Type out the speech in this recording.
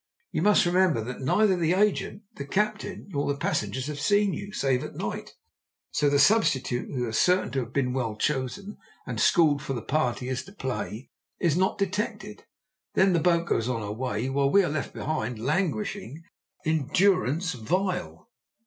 You must remember that neither the agent, the captain, nor the passengers have seen you, save at night, so the substitute, who is certain to have been well chosen and schooled for the part he is to play, is not detected. Then the boat goes on her way, while we are left behind languishing in durance vile."